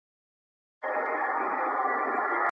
که زده کوونکی هوښیار وي نو لږې لارښوونې ته اړتیا لري.